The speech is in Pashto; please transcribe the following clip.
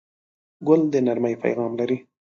ګل د نرمۍ پیغام لري.